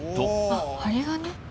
あっ針金？